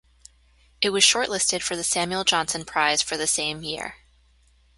It was shortlisted for the Samuel Johnson Prize for the same year.